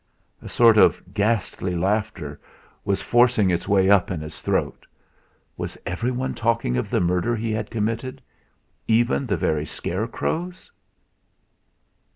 A sort of ghastly laughter was forcing its way up in his throat. Was everyone talking of the murder he had committed? Even the very scarecrows?